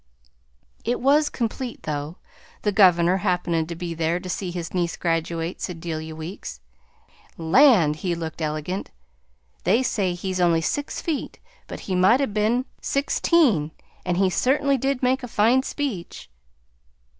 "It was complete, though, the governor happening to be there to see his niece graduate," said Delia Weeks. "Land! he looked elegant! They say he's only six feet, but he might 'a' been sixteen, and he certainly did make a fine speech."